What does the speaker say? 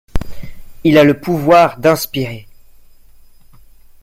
Il a le pouvoir d'inspirer.